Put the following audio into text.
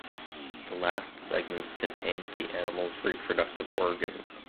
The last segments contained the animal’s reproductive organs.